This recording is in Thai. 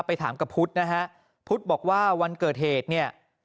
ไปถามกับพุทธนะฮะพุทธบอกว่าวันเกิดเหตุเนี่ย